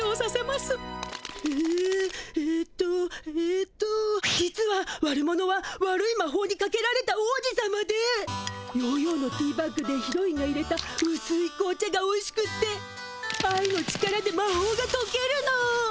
えええとえと実は悪者は悪いまほうにかけられた王子さまでヨーヨーのティーバッグでヒロインがいれたうすい紅茶がおいしくって愛の力でまほうがとけるの。